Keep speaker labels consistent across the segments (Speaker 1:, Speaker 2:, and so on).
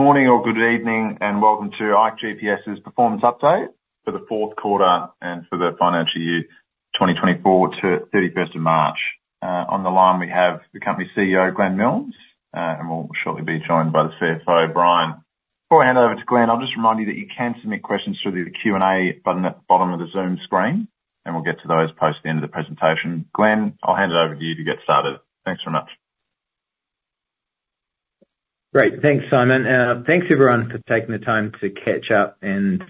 Speaker 1: Good morning or good evening, and welcome to ikeGPS's performance update for the fourth quarter and for the financial year 2024 to 31st of March. On the line we have the company CEO, Glenn Milnes, and we'll shortly be joined by the CFO, Brian. Before I hand over to Glenn, I'll just remind you that you can submit questions through the Q&A button at the bottom of the Zoom screen, and we'll get to those post the end of the presentation. Glenn, I'll hand it over to you to get started. Thanks very much.
Speaker 2: Great. Thanks, Simon. Thanks, everyone, for taking the time to catch up and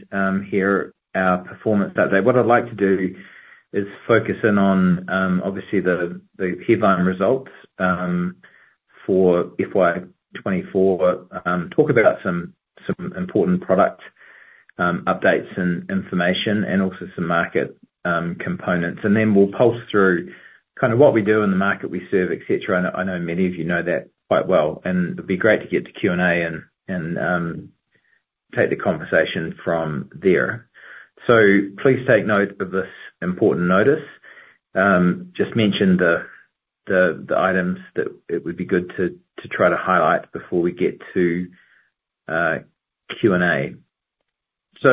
Speaker 2: hear our performance update. What I'd like to do is focus in on, obviously, the headline results for FY24, talk about some important product updates and information, and also some market components. And then we'll pulse through kind of what we do in the market we serve, etc. I know many of you know that quite well, and it'd be great to get to Q&A and take the conversation from there. So please take note of this important notice. Just mentioned the items that it would be good to try to highlight before we get to Q&A. So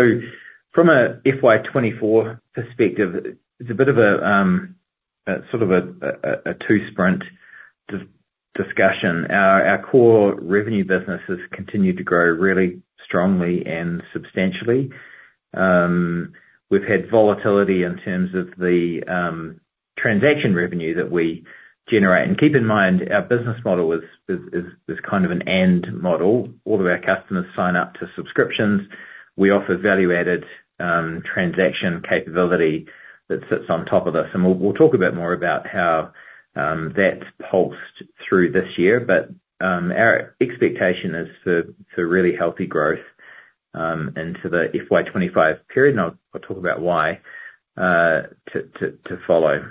Speaker 2: from a FY24 perspective, it's a bit of a sort of a two-sprint discussion. Our core revenue business has continued to grow really strongly and substantially. We've had volatility in terms of the transaction revenue that we generate. Keep in mind, our business model is kind of an end model. All of our customers sign up to subscriptions. We offer value-added transaction capability that sits on top of this. We'll talk a bit more about how that's pulsed through this year. But our expectation is for really healthy growth into the FY25 period, and I'll talk about why to follow.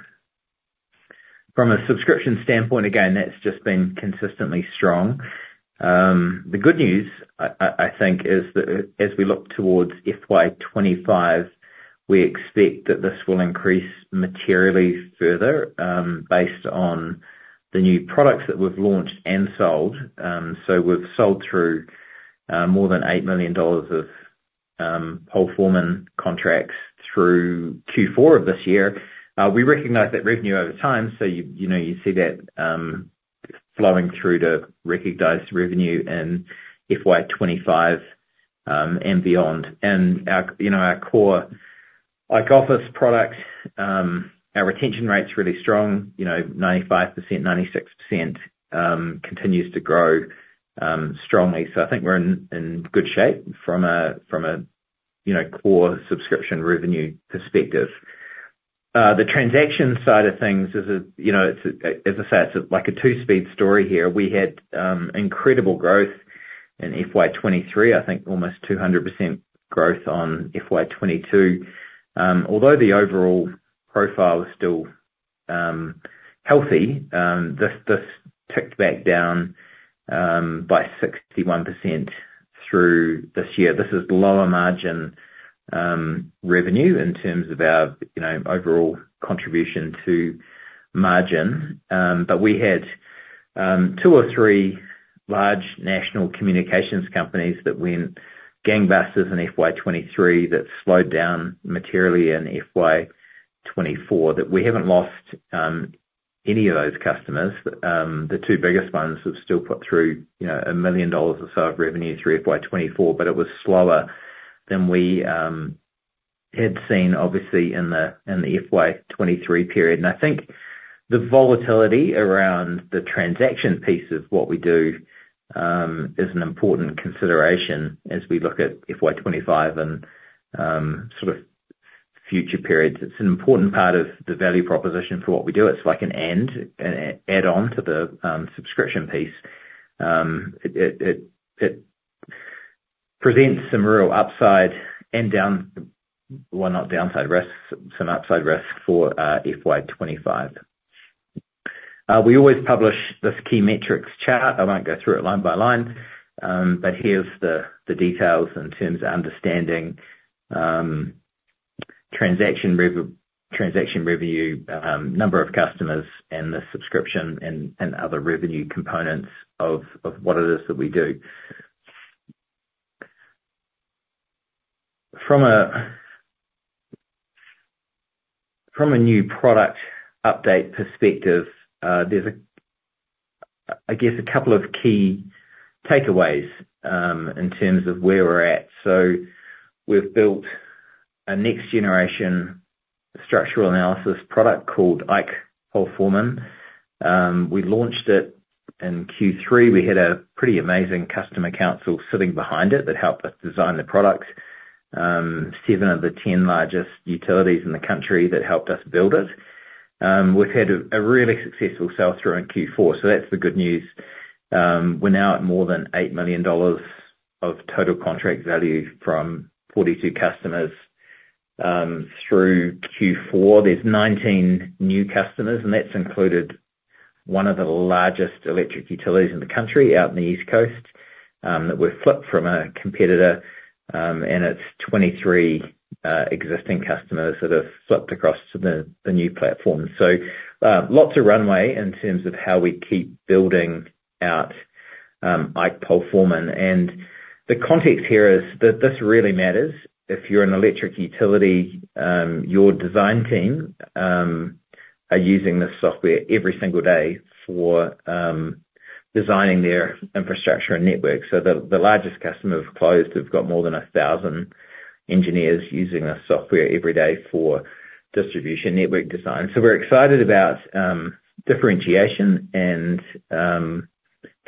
Speaker 2: From a subscription standpoint, again, that's just been consistently strong. The good news, I think, is that as we look towards FY25, we expect that this will increase materially further based on the new products that we've launched and sold. So we've sold through more than $8 million of PoleForeman contracts through Q4 of this year. We recognize that revenue over time, so you see that flowing through to recognized revenue in FY25 and beyond. Our core office product, our retention rate's really strong, 95%, 96%, continues to grow strongly. I think we're in good shape from a core subscription revenue perspective. The transaction side of things is a, as I say, it's like a two-speed story here. We had incredible growth in FY23, I think almost 200% growth on FY22. Although the overall profile was still healthy, this ticked back down by 61% through this year. This is lower margin revenue in terms of our overall contribution to margin. But we had two or three large national communications companies that went gangbusters in FY23 that slowed down materially in FY24. We haven't lost any of those customers. The two biggest ones have still put through $1 million or so of revenue through FY24, but it was slower than we had seen, obviously, in the FY23 period. I think the volatility around the transaction piece of what we do is an important consideration as we look at FY25 and sort of future periods. It's an important part of the value proposition for what we do. It's like an add-on to the subscription piece. It presents some real upside and, well, not downside risks, some upside risks for FY25. We always publish this key metrics chart. I won't go through it line by line, but here's the details in terms of understanding transaction revenue, number of customers, and the subscription and other revenue components of what it is that we do. From a new product update perspective, there's, I guess, a couple of key takeaways in terms of where we're at. We've built a next-generation structural analysis product called IKE PoleForeman. We launched it in Q3. We had a pretty amazing customer council sitting behind it that helped us design the product, 7 of the 10 largest utilities in the country that helped us build it. We've had a really successful sale through in Q4, so that's the good news. We're now at more than $8 million of total contract value from 42 customers through Q4. There's 19 new customers, and that's included one of the largest electric utilities in the country out in the East Coast that we've flipped from a competitor, and it's 23 existing customers that have flipped across to the new platform. So lots of runway in terms of how we keep building out IKE PoleForeman. And the context here is that this really matters. If you're an electric utility, your design team are using this software every single day for designing their infrastructure and network. So the largest customer have closed. They've got more than 1,000 engineers using this software every day for distribution network design. So we're excited about differentiation and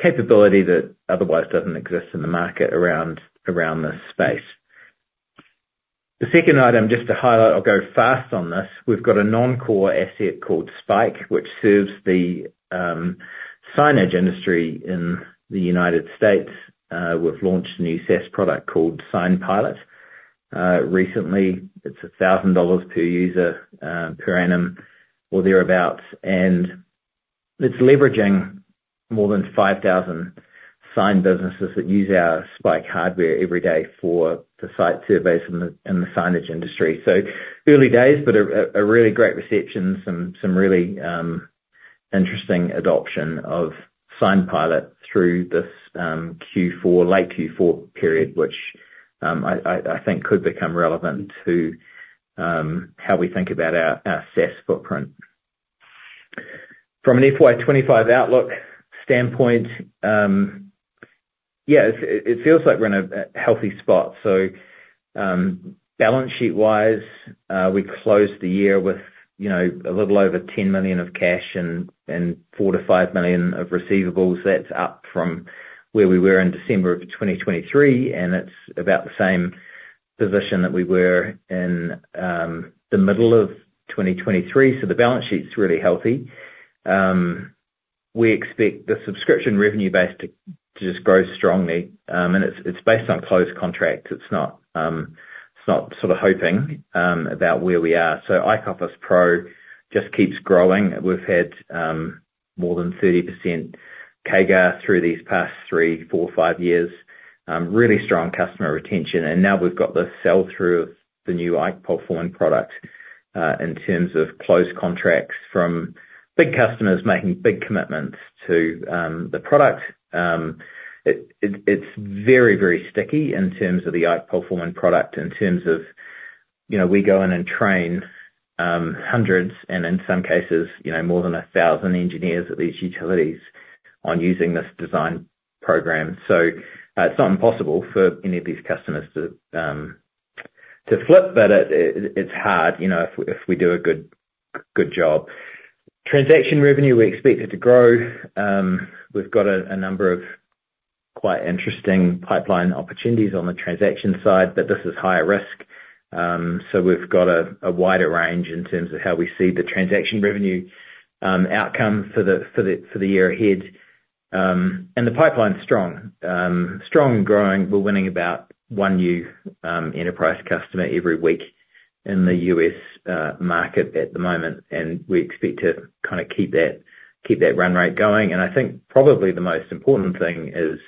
Speaker 2: capability that otherwise doesn't exist in the market around this space. The second item, just to highlight, I'll go fast on this. We've got a non-core asset called Spike, which serves the signage industry in the United States. We've launched a new SaaS product called SignPilot recently. It's $1,000 per user, per annum, or thereabouts. And it's leveraging more than 5,000 sign businesses that use our Spike hardware every day for the site surveys in the signage industry. So early days, but a really great reception, some really interesting adoption of SignPilot through this late Q4 period, which I think could become relevant to how we think about our SaaS footprint. From an FY25 outlook standpoint, yeah, it feels like we're in a healthy spot. So balance sheet-wise, we closed the year with a little over $10 million of cash and $4 million-$5 million of receivables. That's up from where we were in December of 2023, and it's about the same position that we were in the middle of 2023. So the balance sheet's really healthy. We expect the subscription revenue base to just grow strongly, and it's based on closed contracts. It's not sort of hoping about where we are. So IKE Office Pro just keeps growing. We've had more than 30% CAGR through these past three, four, five years, really strong customer retention. And now we've got the sell-through of the new IKE PoleForeman product in terms of closed contracts from big customers making big commitments to the product. It's very, very sticky in terms of the IKE PoleForeman product, in terms of we go in and train hundreds and, in some cases, more than 1,000 engineers at these utilities on using this design program. So it's not impossible for any of these customers to flip, but it's hard if we do a good job. Transaction revenue, we expect it to grow. We've got a number of quite interesting pipeline opportunities on the transaction side, but this is higher risk. So we've got a wider range in terms of how we see the transaction revenue outcome for the year ahead. And the pipeline's strong, strong and growing. We're winning about one new enterprise customer every week in the U.S. market at the moment, and we expect to kind of keep that run rate going. And I think probably the most important thing is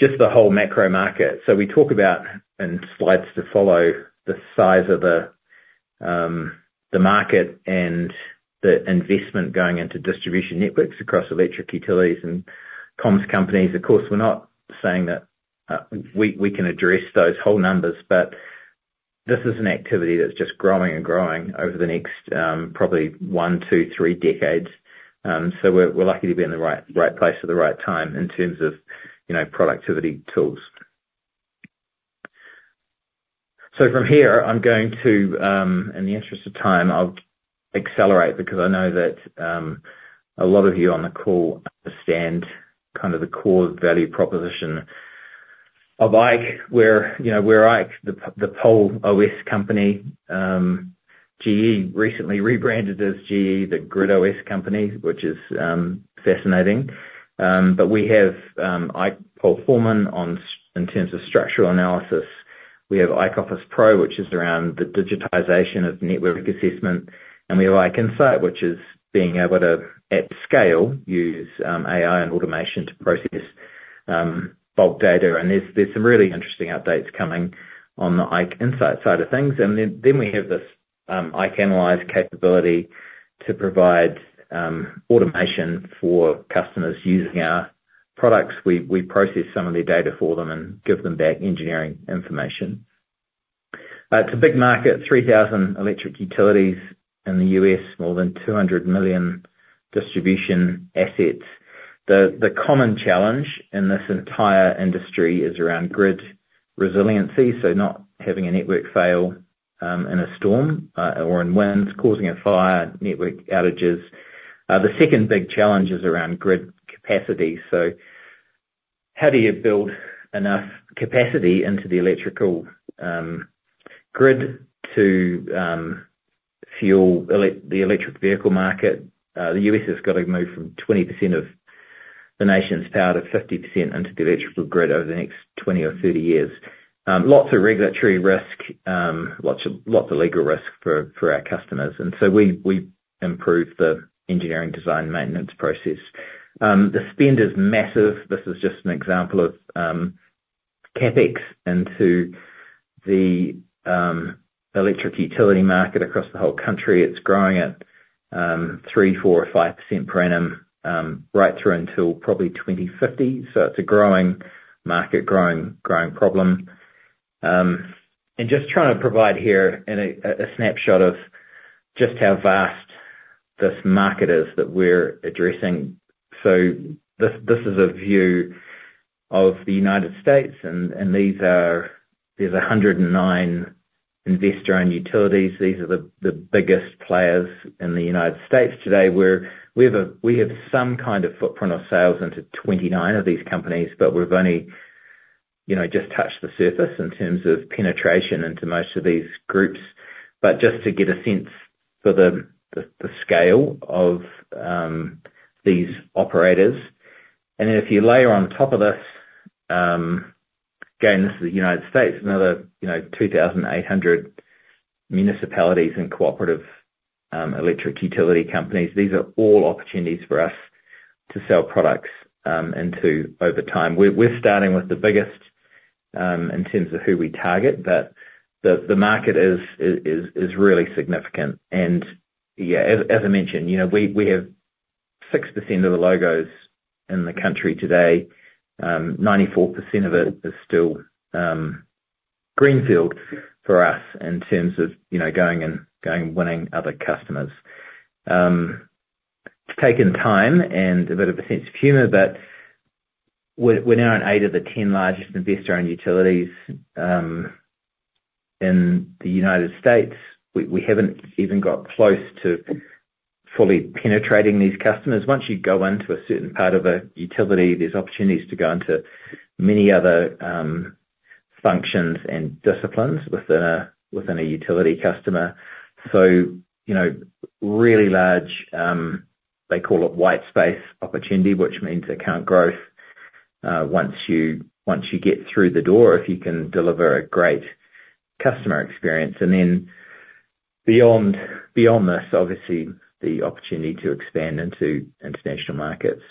Speaker 2: just the whole macro market. So we talk about, in slides to follow, the size of the market and the investment going into distribution networks across electric utilities and comms companies. Of course, we're not saying that we can address those whole numbers, but this is an activity that's just growing and growing over the next probably one, two, three decades. So we're lucky to be in the right place at the right time in terms of productivity tools. So from here, I'm going to, in the interest of time, I'll accelerate because I know that a lot of you on the call understand kind of the core value proposition of IKE, where IKE, the PoleOS company, GE recently rebranded as GE, the GridOS company, which is fascinating. But we have IKE PoleForeman in terms of structural analysis. We have IKE Office Pro, which is around the digitization of network assessment. We have IKE Insight, which is being able to, at scale, use AI and automation to process bulk data. There's some really interesting updates coming on the IKE Insight side of things. Then we have this IKE Analyze capability to provide automation for customers using our products. We process some of their data for them and give them back engineering information. It's a big market, 3,000 electric utilities in the U.S., more than 200 million distribution assets. The common challenge in this entire industry is around grid resiliency, so not having a network fail in a storm or in winds causing a fire, network outages. The second big challenge is around grid capacity. So how do you build enough capacity into the electrical grid to fuel the electric vehicle market? The U.S. has got to move from 20% of the nation's power to 50% into the electrical grid over the next 20 or 30 years. Lots of regulatory risk, lots of legal risk for our customers. And so we improve the engineering design maintenance process. The spend is massive. This is just an example of CapEx into the electric utility market across the whole country. It's growing at 3, 4, or 5% per annum right through until probably 2050. So it's a growing market, growing problem. And just trying to provide here a snapshot of just how vast this market is that we're addressing. So this is a view of the United States, and there's 109 investor-owned utilities. These are the biggest players in the United States today. We have some kind of footprint of sales into 29 of these companies, but we've only just touched the surface in terms of penetration into most of these groups. But just to get a sense for the scale of these operators. Then if you layer on top of this, again, this is the United States, another 2,800 municipalities and cooperative electric utility companies. These are all opportunities for us to sell products into over time. We're starting with the biggest in terms of who we target, but the market is really significant. Yeah, as I mentioned, we have 6% of the logos in the country today. 94% of it is still greenfield for us in terms of going and winning other customers. It's taken time and a bit of a sense of humor, but we're now in 8 of the 10 largest investor-owned utilities in the United States. We haven't even got close to fully penetrating these customers. Once you go into a certain part of a utility, there's opportunities to go into many other functions and disciplines within a utility customer. So really large, they call it white space opportunity, which means account growth once you get through the door if you can deliver a great customer experience. And then beyond this, obviously, the opportunity to expand into international markets.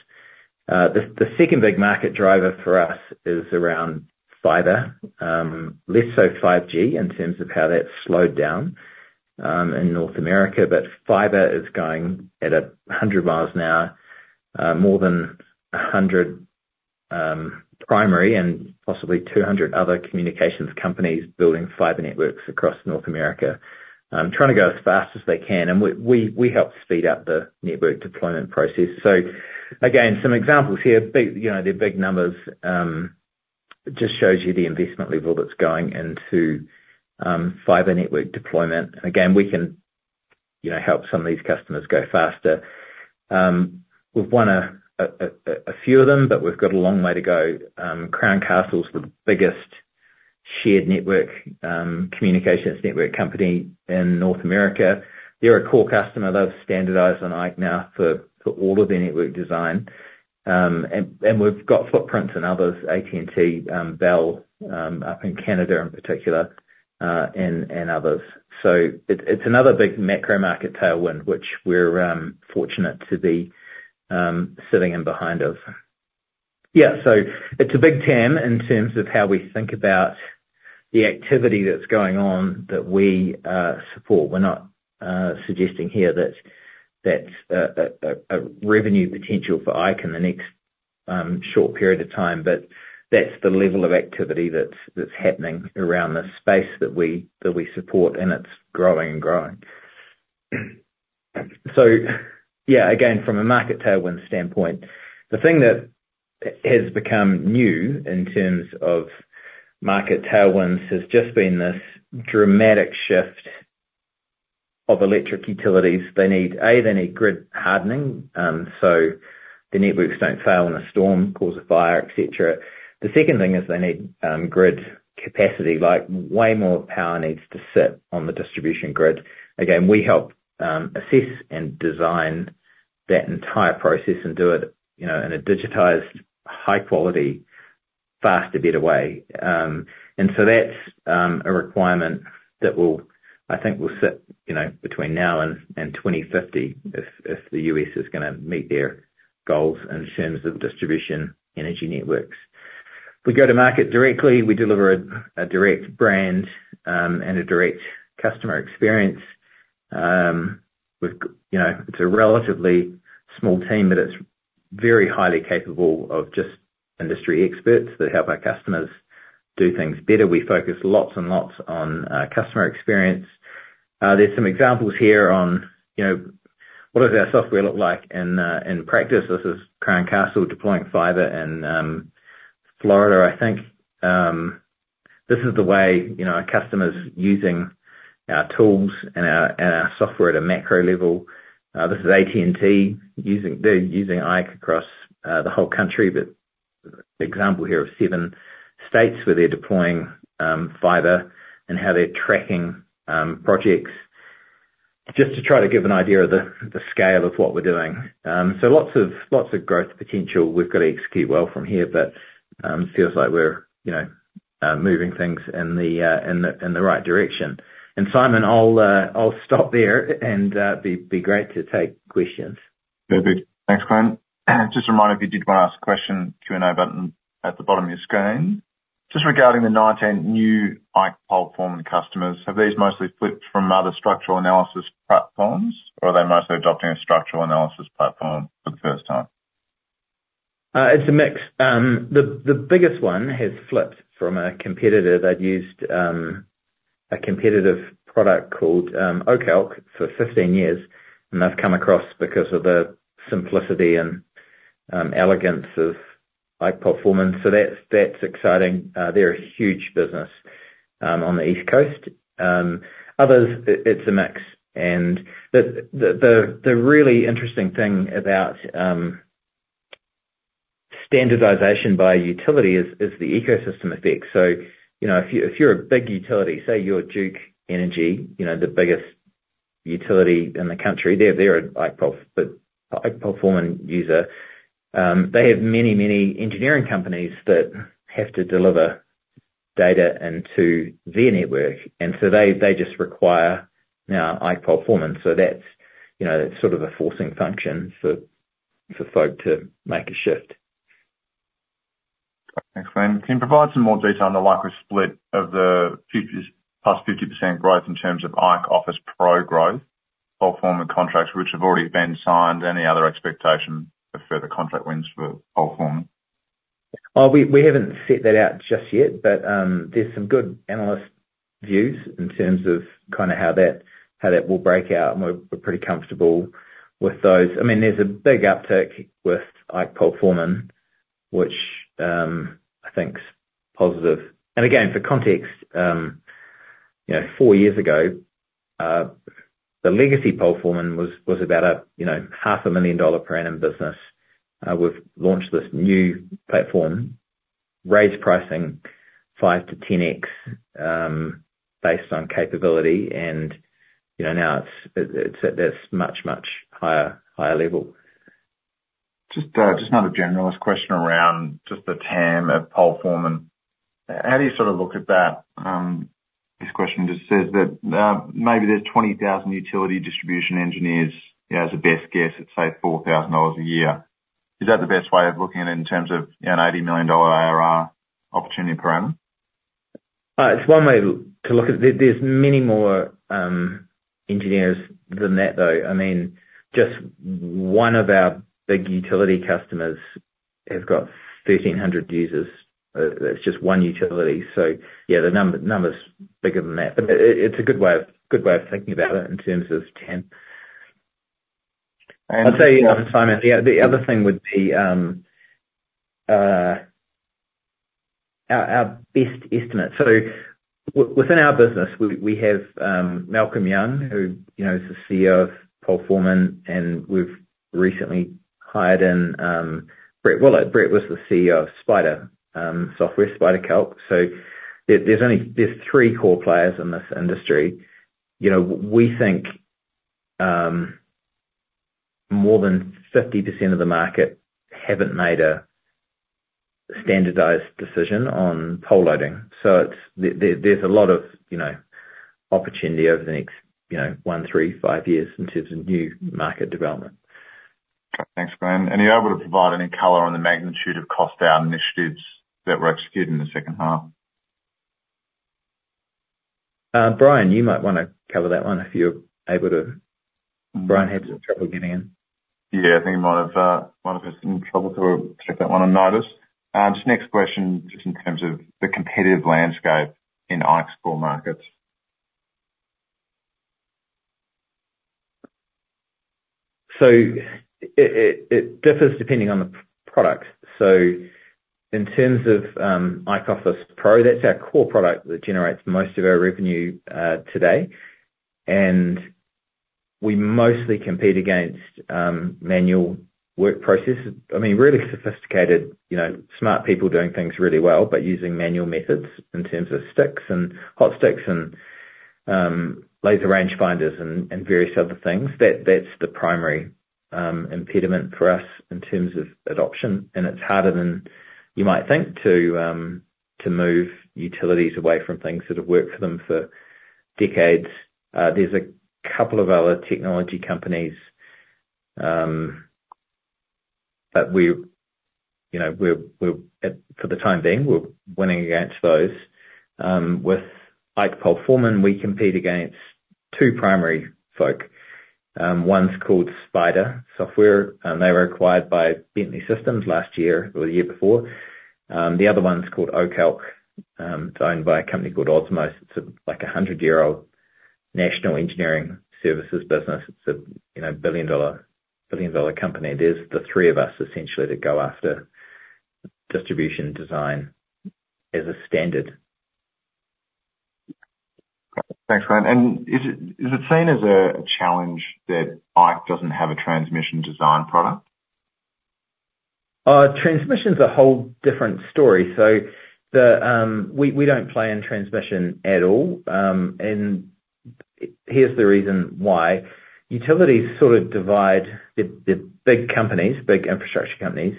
Speaker 2: The second big market driver for us is around fiber, less so 5G in terms of how that's slowed down in North America, but fiber is going at 100 miles an hour, more than 100 primary and possibly 200 other communications companies building fiber networks across North America, trying to go as fast as they can. And we help speed up the network deployment process. So again, some examples here, they're big numbers. It just shows you the investment level that's going into fiber network deployment. Again, we can help some of these customers go faster. We've won a few of them, but we've got a long way to go. Crown Castle's the biggest shared network communications network company in North America. They're a core customer. They've standardized on IKE now for all of their network design. And we've got footprints in others, AT&T, Bell up in Canada in particular, and others. So it's another big macro market tailwind, which we're fortunate to be sitting in behind of. Yeah, so it's a big TAM in terms of how we think about the activity that's going on that we support. We're not suggesting here that's a revenue potential for IKE in the next short period of time, but that's the level of activity that's happening around this space that we support, and it's growing and growing. So yeah, again, from a market tailwind standpoint, the thing that has become new in terms of market tailwinds has just been this dramatic shift of electric utilities. They need A, they need grid hardening so the networks don't fail in a storm, cause a fire, etc. The second thing is they need grid capacity, like way more power needs to sit on the distribution grid. Again, we help assess and design that entire process and do it in a digitized, high-quality, faster, better way. And so that's a requirement that, I think, will sit between now and 2050 if the U.S. is going to meet their goals in terms of distribution energy networks. We go to market directly. We deliver a direct brand and a direct customer experience. It's a relatively small team, but it's very highly capable of just industry experts that help our customers do things better. We focus lots and lots on customer experience. There's some examples here on what does our software look like in practice. This is Crown Castle deploying fiber in Florida, I think. This is the way our customer's using our tools and our software at a macro level. This is AT&T. They're using IKE across the whole country, but an example here of seven states where they're deploying fiber and how they're tracking projects, just to try to give an idea of the scale of what we're doing. So lots of growth potential. We've got to execute well from here, but it feels like we're moving things in the right direction. Simon, I'll stop there and it'd be great to take questions.
Speaker 1: Perfect. Thanks, Glenn. Just a reminder, if you did want to ask a question, Q&A button at the bottom of your screen. Just regarding the 19 new IKE PoleForeman customers, have these mostly flipped from other structural analysis platforms, or are they mostly adopting a structural analysis platform for the first time?
Speaker 2: It's a mix. The biggest one has flipped from a competitor. They'd used a competitive product called O-Calc for 15 years, and they've come across because of the simplicity and elegance of IKE PoleForeman. So that's exciting. They're a huge business on the East Coast. Others, it's a mix. And the really interesting thing about standardization by utility is the ecosystem effect. So if you're a big utility, say you're Duke Energy, the biggest utility in the country, they're an IKE PoleForeman user. They have many, many engineering companies that have to deliver data into their network. And so they just require now IKE PoleForeman. So that's sort of a forcing function for folk to make a shift.
Speaker 1: Thanks, Quinn. Can you provide some more detail on the likely split of the past 50% growth in terms of IKE Office Pro growth, PoleForeman contracts, which have already been signed, any other expectation for further contract wins for PoleForeman?
Speaker 2: We haven't set that out just yet, but there's some good analyst views in terms of kind of how that will break out. And we're pretty comfortable with those. I mean, there's a big uptick with IKE PoleForeman, which I think's positive. And again, for context, four years ago, the legacy PoleForeman was about $500,000 per annum business. We've launched this new platform, raised pricing 5-10x based on capability, and now it's at this much, much higher level.
Speaker 1: Just another generalist question around just the TAM of PoleForeman. How do you sort of look at that? This question just says that maybe there's 20,000 utility distribution engineers, as a best guess, at, say, $4,000 a year. Is that the best way of looking at it in terms of an $80 million ARR opportunity per annum?
Speaker 2: It's one way to look at it. There's many more engineers than that, though. I mean, just one of our big utility customers has got 1,300 users. It's just one utility. So yeah, the number's bigger than that. But it's a good way of thinking about it in terms of TAM. I'd say, Simon, the other thing would be our best estimate. So within our business, we have Malcolm Young, who's the CEO of PoleForeman, and we've recently hired in Brett Willitt. Brett was the CEO of SPIDA Software, SPIDAcalc. So there's three core players in this industry. We think more than 50% of the market haven't made a standardized decision on pole loading. So there's a lot of opportunity over the next one, three, five years in terms of new market development.
Speaker 1: Thanks, Glenn. And are you able to provide any color on the magnitude of cost-down initiatives that were executed in the second half?
Speaker 2: Brian, you might want to cover that one if you're able to. Brian had some trouble getting in.
Speaker 1: Yeah, I think he might have had some trouble to check that one on notice. Just next question, just in terms of the competitive landscape in IKE's core markets. So it differs depending on the product.
Speaker 2: So in terms of IKE Office Pro, that's our core product that generates most of our revenue today. We mostly compete against manual work processes. I mean, really sophisticated, smart people doing things really well, but using manual methods in terms of sticks and hot sticks and laser range finders and various other things, that's the primary impediment for us in terms of adoption. It's harder than you might think to move utilities away from things that have worked for them for decades. There's a couple of other technology companies, but for the time being, we're winning against those. With IKE PoleForeman, we compete against two primary folks. One's called SPIDA Software. They were acquired by Bentley Systems last year or the year before. The other one's called O-Calc. It's owned by a company called Osmose. It's a 100-year-old national engineering services business. It's a billion-dollar company. There's the three of us, essentially, that go after distribution design as a standard.
Speaker 1: Thanks, Glenn. And is it seen as a challenge that IKE doesn't have a transmission design product?
Speaker 2: Transmission's a whole different story. So we don't play in transmission at all. And here's the reason why. Utilities sort of divide. They're big companies, big infrastructure companies,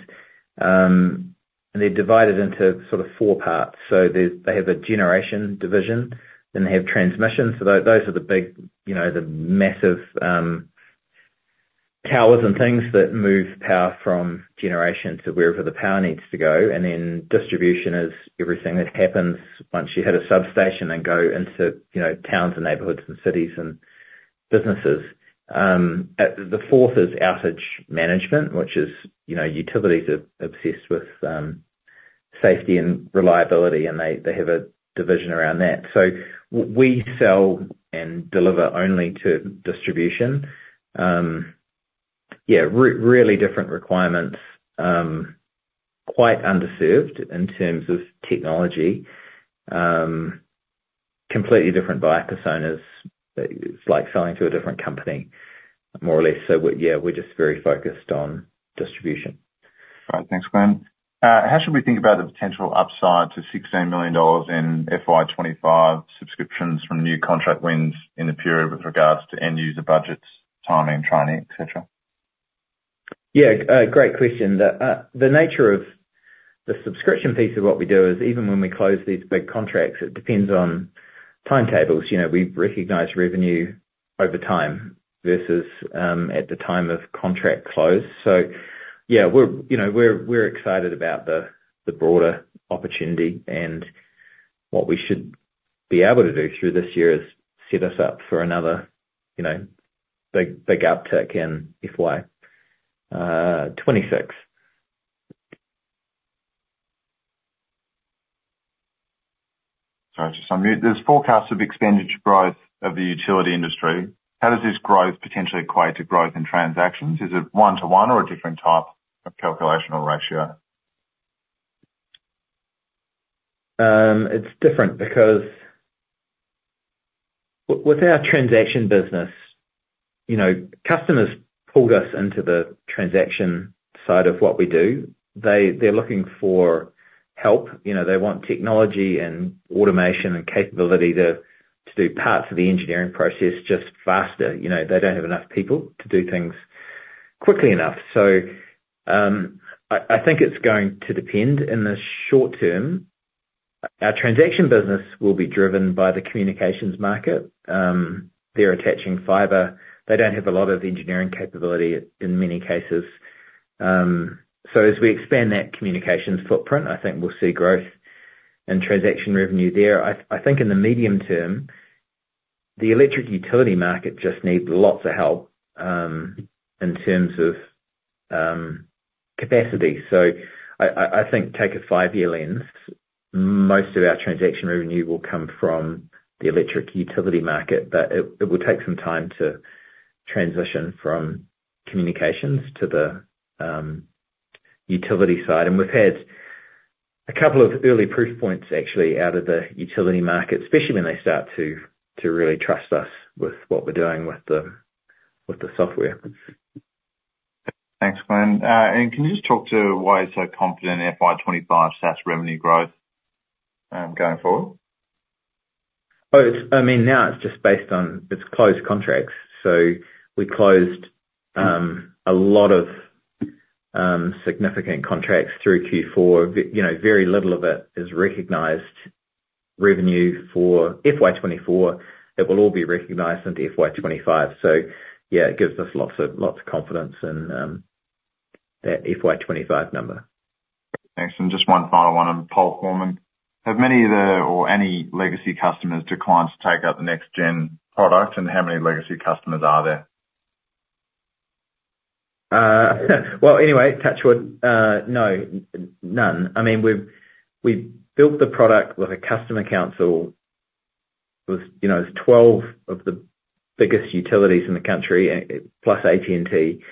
Speaker 2: and they're divided into sort of four parts. So they have a generation division, then they have transmission. So those are the big, the massive towers and things that move power from generation to wherever the power needs to go. And then distribution is everything that happens once you hit a substation and go into towns and neighborhoods and cities and businesses. The fourth is outage management, which is utilities are obsessed with safety and reliability, and they have a division around that. So we sell and deliver only to distribution. Yeah, really different requirements, quite underserved in terms of technology, completely different by personas. It's like selling to a different company, more or less. So yeah, we're just very focused on distribution.
Speaker 1: All right. Thanks, Glenn. How should we think about the potential upside to $16 million in FY25 subscriptions from new contract wins in the period with regards to end-user budgets, timing, training, etc.?
Speaker 2: Yeah, great question. The nature of the subscription piece of what we do is even when we close these big contracts, it depends on timetables. We recognize revenue over time versus at the time of contract close. So yeah, we're excited about the broader opportunity. And what we should be able to do through this year is set us up for another big uptick in FY26.
Speaker 1: Sorry, just unmute. There's forecasts of expenditure growth of the utility industry. How does this growth potentially equate to growth in transactions? Is it one-to-one or a different type of calculational ratio?
Speaker 2: It's different because with our transaction business, customers pulled us into the transaction side of what we do. They're looking for help. They want technology and automation and capability to do parts of the engineering process just faster. They don't have enough people to do things quickly enough. So I think it's going to depend in the short term. Our transaction business will be driven by the communications market. They're attaching fiber. They don't have a lot of engineering capability in many cases. So as we expand that communications footprint, I think we'll see growth in transaction revenue there. I think in the medium term, the electric utility market just needs lots of help in terms of capacity. So I think take a five-year lens. Most of our transaction revenue will come from the electric utility market, but it will take some time to transition from communications to the utility side. We've had a couple of early proof points, actually, out of the utility market, especially when they start to really trust us with what we're doing with the software.
Speaker 1: Thanks, Glenn. Can you just talk to why you're so confident in FY25 SaaS revenue growth going forward?
Speaker 2: Oh, I mean, now it's just based on its closed contracts. So we closed a lot of significant contracts through Q4. Very little of it is recognized revenue for FY24. It will all be recognized into FY25. So yeah, it gives us lots of confidence in that FY25 number.
Speaker 1: Thanks. And just one final one on PoleForeman. Have many of the or any legacy customers declined to take up the next-gen product, and how many legacy customers are there?
Speaker 2: Well, anyway, touch wood, no. None. I mean, we built the product with a customer council. It was 12 of the biggest utilities in the country, plus AT&T.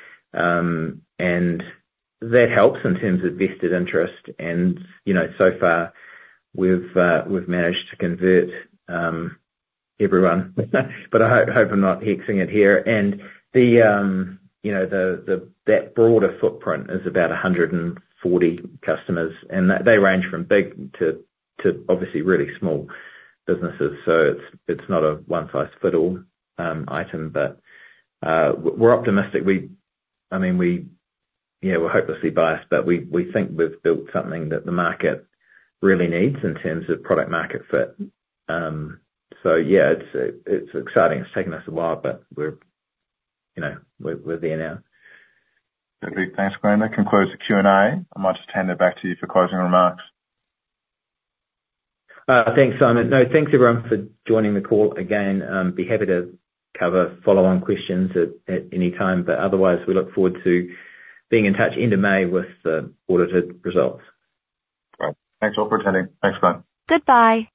Speaker 2: That helps in terms of vested interest. So far, we've managed to convert everyone, but I hope I'm not hexing it here. That broader footprint is about 140 customers. They range from big to, obviously, really small businesses. So it's not a one-size-fits-all item, but we're optimistic. I mean, yeah, we're hopelessly biased, but we think we've built something that the market really needs in terms of product-market fit. So yeah, it's exciting. It's taken us a while, but we're there now.
Speaker 1: Perfect. Thanks, Glenn. That concludes the Q&A.
Speaker 2: I might just hand it back to you for closing remarks. Thanks, Simon. No, thanks, everyone, for joining the call again. Be happy to cover follow-on questions at any time. But otherwise, we look forward to being in touch end of May with the audited results.
Speaker 1: Right. Thanks all for attending. Thanks, Glenn.
Speaker 3: Goodbye.